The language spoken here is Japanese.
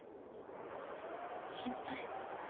心配？